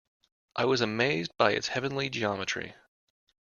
I was amazed by its heavenly geometry.